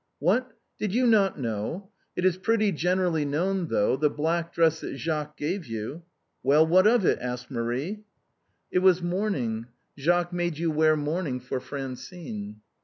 " What, did you not know ? It is pretty generally known, though, the black dress that Jacques gave you ." "Well, what of it?" asked Marie. It was mourning. Jacques made you wear mourning for Francine."